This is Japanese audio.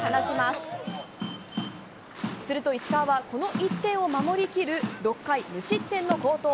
すると石川は、この１点を守りきる６回無失点の好投。